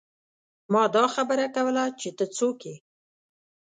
ما دا خبره کوله چې ته څوک يې ۔